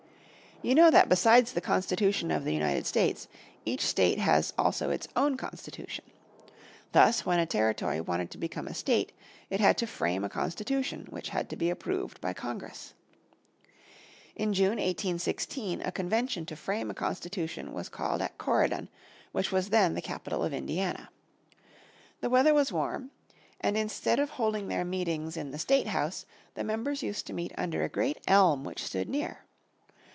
You know that besides the Constitution of the United States each state has also its own constitution. Thus when a territory wanted to become a state it had to frame a constitution which had to be approved by Congress. In June, 1816, a convention to frame a constitution was called at Corydon, which was then the capital of Indiana. The weather was warm, and instead of holding their meetings in the State House the members used to meet under a great elm which stood near.